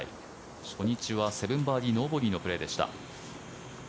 初日は７バーディーノーボギーのプレーでした。